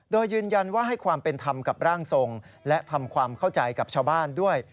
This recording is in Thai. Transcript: โดยยืนยันว่าให้ความเป็นธรรมกับร่างทรงและทำความเข้าใจกับชาวบ้านด้วย